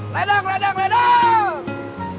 ledang ledang ledang